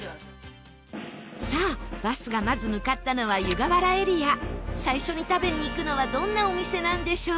さあ、バスがまず向かったのは湯河原エリア最初に食べに行くのはどんなお店なんでしょう？